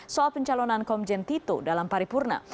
soal pencalonan komjen tito dalam paripurna